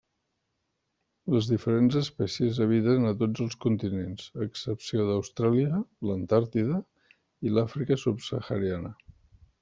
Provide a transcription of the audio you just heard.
Les diferents espècies habiten a tots els continents a excepció d'Austràlia, l'Antàrtida i l'Àfrica subsahariana.